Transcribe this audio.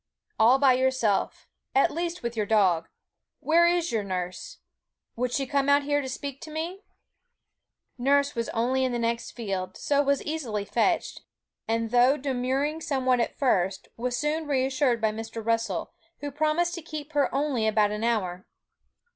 'All by yourself at least with your dog. Where is your nurse? Would she come out here to speak to me?' Nurse was only in the next field, so was easily fetched, and though demurring somewhat at first, was soon reassured by Mr. Russell, who promised to keep her only about an hour.